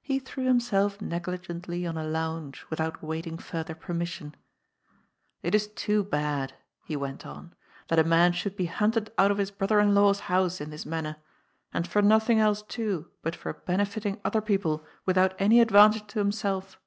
He threw himself neglige.ntly on a lounge without awaiting further permission. ^It is too bad," he went on, ^^ that a man should be hunted out of his brother in law's house in this manner. And for nothing else too but for benefiting other people without any advan tage to himself."